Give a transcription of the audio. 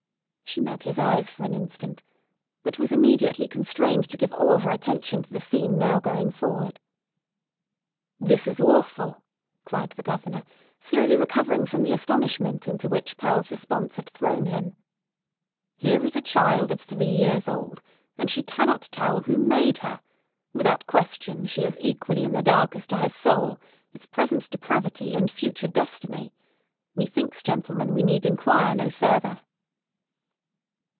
She met his eyes for an instant, but was immediately constrained to give all her attention to the scene now going forward. "This is awful!" cried the Governor, slowly recovering from the astonishment into which Pearl's response had thrown him. "Here is a child of three years old, and she cannot tell who made her! Without question, she is equally in the dark as to her soul, its present depravity, and future destiny! Methinks, gentlemen, we need inquire no further."